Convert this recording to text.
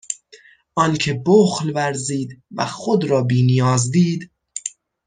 آنکه بخل ورزید و خود را بینیاز دید